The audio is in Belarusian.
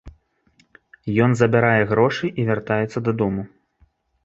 Ён забярае грошы і вяртаецца дадому.